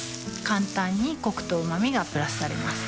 簡単にコクとうま味がプラスされます